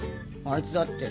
あいつだって。